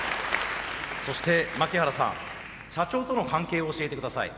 そして槙原さん社長との関係を教えて下さい。